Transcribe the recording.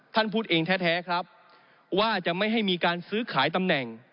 ท่านพูดเองแท้ครับว่าจะไม่ให้มีการซื้อขายตำแหน่ง